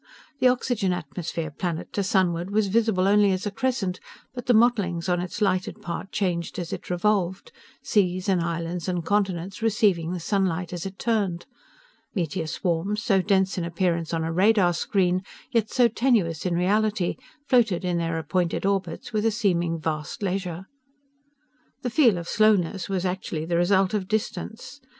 The oxygen atmosphere planet to sunward was visible only as a crescent, but the mottlings on its lighted part changed as it revolved seas and islands and continents receiving the sunlight as it turned. Meteor swarms, so dense in appearance on a radar screen, yet so tenuous in reality, floated in their appointed orbits with a seeming vast leisure. The feel of slowness was actually the result of distance.